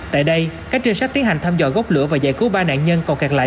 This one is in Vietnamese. tại đây các trinh sát tiến hành thăm dò gốc lửa và giải cứu ba nạn nhân còn kẹt lại